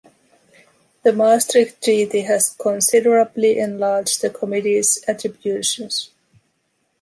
The Maastricht Treaty has considerably enlarged the committees attributions.